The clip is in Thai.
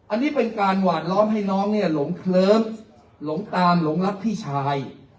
อันนี้เป็นการหวาดล้อมให้น้องเนี่ยหลงเคลิฟหลงตามหลงรักพี่ชาย